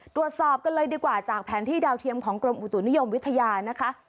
ตรวจสอบกันเลยดีกว่าจากแผนที่ดาวเทียมของกรมอุตุนิยมวิทยานะคะ